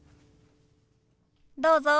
どうぞ。